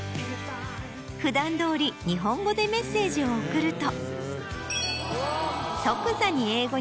普段どおり日本語でメッセージを送ると。